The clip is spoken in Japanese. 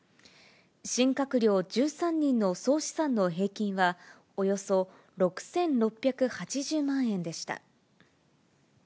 新閣僚１３人の総資産の平均は、およそ６６８０万円でした。